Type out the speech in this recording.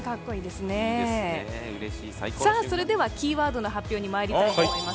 それではキーワードの発表にまいりたいと思います。